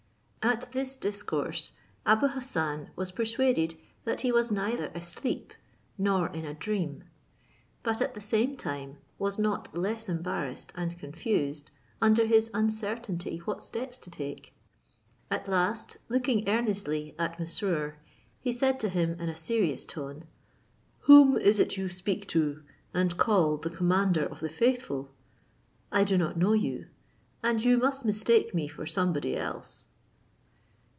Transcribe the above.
At this discourse, Abou Hassan was persuaded that he was neither asleep nor in a dream; but at the same time was not less embarrassed and confused under his uncertainty what steps to take: at last, looking earnestly at Mesrour, he said to him in a serious tone, "Whom is it you speak to, and call the commander of the faithful? I do not know you, and you must mistake me for somebody else."